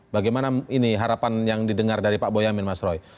bagaimana ini harapan yang didengar dari pak boyamin mas roy